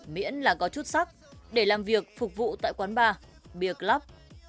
miễn là có chút sắc để làm việc phục vụ tại quán bar bia club